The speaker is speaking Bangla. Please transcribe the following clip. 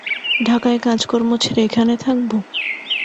ঢাকায় কাজকর্ম ছেড়ে এখানে থাকব?